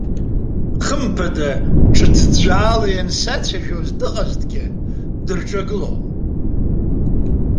Хымԥада, ҿҭыӡәӡәаала иансацәажәоз дыҟазҭгьы, дырҿагылон.